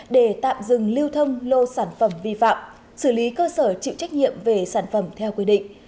để tạm dừng lưu thông lô sản phẩm vi phạm xử lý cơ sở chịu trách nhiệm về sản phẩm theo quy định